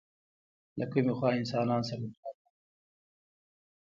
له کومې خوا انسانان سره برابر وو؟